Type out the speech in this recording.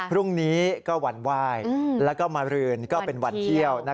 พรุ่งนี้ก็วันไหว้แล้วก็มารืนก็เป็นวันเที่ยว